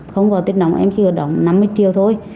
không có tiền đóng em chỉ có đóng năm mươi triệu thôi